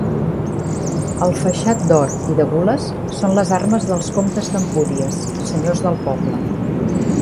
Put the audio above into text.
El faixat d'or i de gules són les armes dels comtes d'Empúries, senyors del poble.